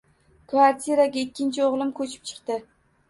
Kvartiraga ikkinchi o`g`lim ko`chib chiqdi